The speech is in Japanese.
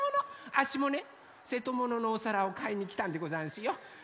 あっしもねせともののおさらをかいにきたんでござんすよ。